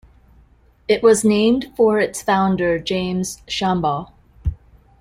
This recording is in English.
It was named for its founder, James Shambaugh.